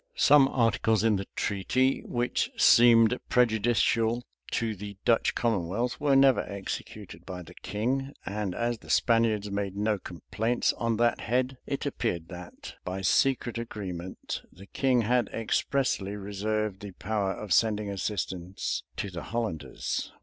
Some articles in the treaty, which seemed prejudicial to the Dutch commonwealth, were never executed by the king; and as the Spaniards made no complaints on that head, it appeared that, by secret agreement, the king had expressly reserved the power of sending assistance to the Hollanders.